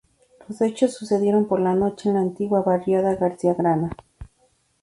Los hechos sucedieron por la noche en la antigua barriada García Grana.